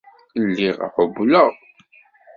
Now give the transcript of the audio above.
Lliɣ ɛewwleɣ.